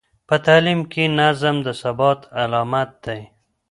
په تعلیم کې نظم د ثبات علامت دی.